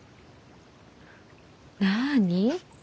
なあに？